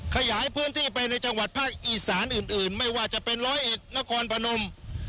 ขยายพื้นที่ไปในจังหวัดภาคอีสานอื่นไม่ว่าจะเป็นร้อยเอ็ดนครพนม